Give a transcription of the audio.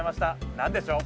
何でしょう？